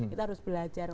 kita harus belajar